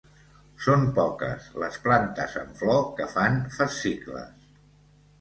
Són poques les plantes amb flor que fan fascicles.